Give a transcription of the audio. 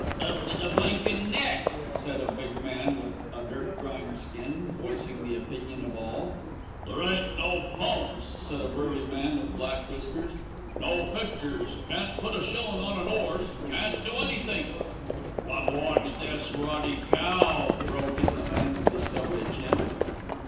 "Up to the blinkin' neck," said a big man with a dirt grimed skin, voicing the opinion of all. "There ain't no pubs," said a burly man with black whiskers, "no pictures, can't put a shillin' on an 'orse, can't do anythink " "But watch this ruddy cow," broke in the man with the stubbly chin.